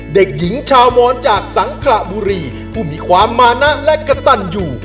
เด็กหญิงชาวมอนจากสังกระบุรีผู้มีความมานะและกระตันอยู่